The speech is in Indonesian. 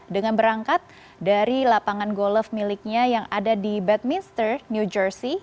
dengan berangkat dari lapangan golf miliknya yang ada di badminster new jersey